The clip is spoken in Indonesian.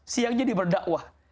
siangnya dia berdakwah